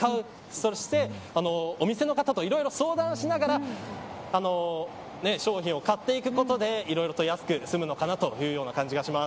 そしてお店の方といろいろ相談しながら商品を買っていくことでいろいろと安く済むのかなという感じがします。